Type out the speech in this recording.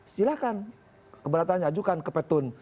silahkan keberatannya ajukan ke petun